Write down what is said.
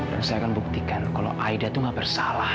dan saya akan buktikan kalau aida itu gak bersalah